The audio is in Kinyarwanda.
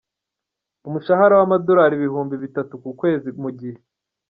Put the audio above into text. umushahara w’amadorali ibihumbi bitatu ku kwezi mu gihe